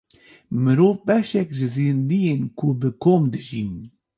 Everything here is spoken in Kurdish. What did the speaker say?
Mirov beşek ji zindiyên ku bi kom dijîn.